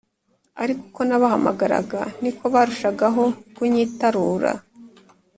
Ariko uko nabahamagaraga, ni ko barushagaho kunyitarura;